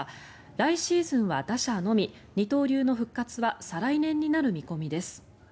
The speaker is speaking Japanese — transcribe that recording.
来シーズンは打者のみ二刀流の復活は再来年になる見込みです。